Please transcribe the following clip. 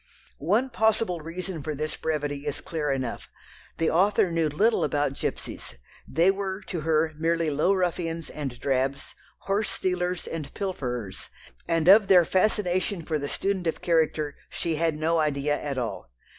One possible reason for this brevity is clear enough. The author knew little about gipsies, they were to her merely low ruffians and drabs, horse stealers and pilferers, and of their fascination for the student of character she had no idea at all.